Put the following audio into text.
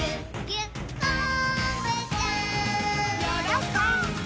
よろこんぶ！